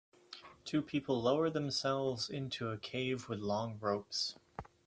Two people lower themselves into a cave with long ropes.